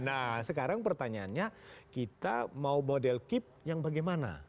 nah sekarang pertanyaannya kita mau model kip yang bagaimana